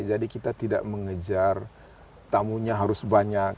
jadi kita tidak mengejar tamunya harus banyak